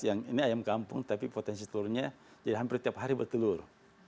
yang ini ayam kampung tapi potensi telurnya jadi hampir tiap hari bertelur